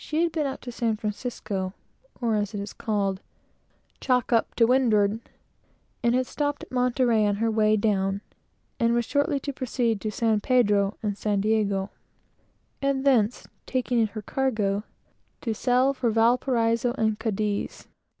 She had been up to San Francisco, or, as it is called, "chock up to windward," had stopped at Monterey on her way down, and was shortly to proceed to San Pedro and San Diego, and thence, taking in her cargo, to sail for Valparaiso and Cadiz.